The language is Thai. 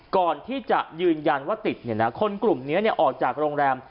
ก่อนที่จะยืนยันว่าติดคนกลุ่มนี้ออกจากโรงแรม